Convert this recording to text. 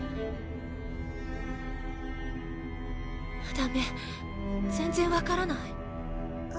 ダメ全然分からない。